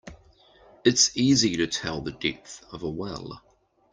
It's easy to tell the depth of a well.